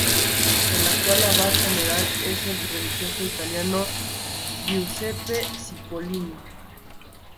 El actual Abad general es el religioso italiano Giuseppe Cipollini.